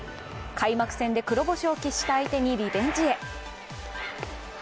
開幕戦で黒星を喫した相手にリベンジへ。